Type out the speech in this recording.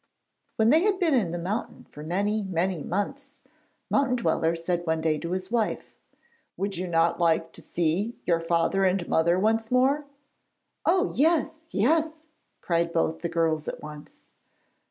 When they had been in the mountain for many, many months, Mountain Dweller said one day to his wife: 'Would you not like to see your father and mother once more?' 'Oh, yes, yes!' cried both the girls at once.